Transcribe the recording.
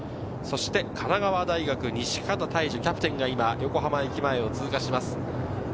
そして神奈川大学・西方大珠、キャプテンが今、横浜駅前を通過します。